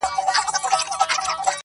د سودا اخیستل هر چاته پلمه وه!.